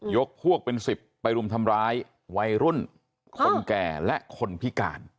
ยกพวกเป็น๑๐ไปรุมทำร้ายวัยรุ่นคนแก่และคนพิการ